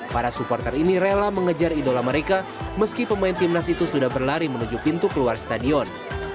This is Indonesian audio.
para supporter ini rela mengejar idola mereka meski pemain timnas itu sudah berlari menuju pintu keluar stadion